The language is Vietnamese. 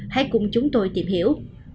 hãy cùng chúng tôi tìm hiểu